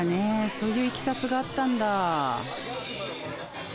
そういういきさつがあったんだ。